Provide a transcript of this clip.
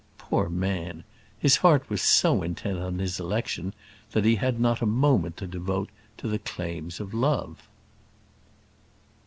Poor man! his heart was so intent on his election that he had not a moment to devote to the claims of love.